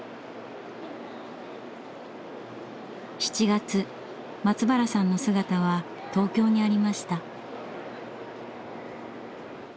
７月松原さんの姿は東京にありました。